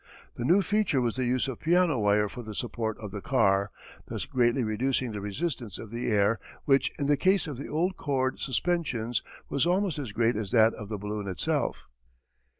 A new feature was the use of piano wire for the support of the car, thus greatly reducing the resistance of the air which in the case of the old cord suspensions was almost as great as that of the balloon itself.